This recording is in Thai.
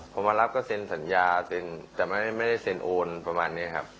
พอมารับก็เซ็นสัญญาเซ็นแต่ไม่ได้เซ็นโอนประมาณนี้ครับ